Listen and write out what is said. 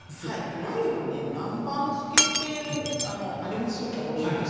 いわゆるね南蛮漬けっていうありますよねお料理で。